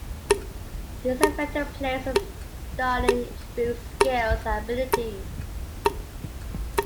These affect the player's starting attributes, skills, and abilities.